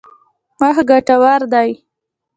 وخت ګټور دی.